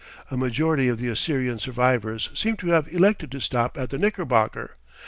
A majority of the Assyrian survivors seemed to have elected to stop at the Knickerbocker.